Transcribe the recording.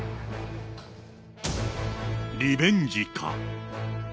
リベンジか。